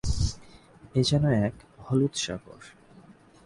এ যেনো এক হলুদ সাগর।